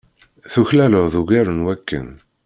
Tuklaleḍ ugar n wakken.